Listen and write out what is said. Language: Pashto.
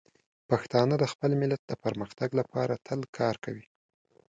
پښتانه د خپل ملت د پرمختګ لپاره تل کار کوي.